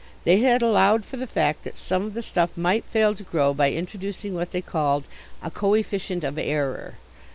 They had allowed for the fact that some of the stuff might fail to grow by introducing what they called "a coefficient of error."